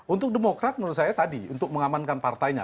untuk demokrat menurut saya tadi untuk mengamankan partainya